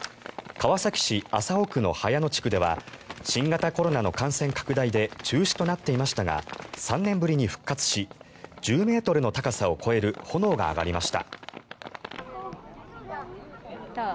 川崎市麻生区の早野地区では新型コロナの感染拡大で中止となっていましたが３年ぶりに復活し１０ｍの高さを超える炎が上がりました。